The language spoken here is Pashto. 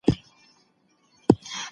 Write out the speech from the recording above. تحقیقي ادب د واقعیتونو پر بنسټ علمي هڅه ده.